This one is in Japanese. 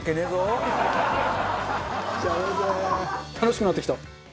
楽しくなってきた。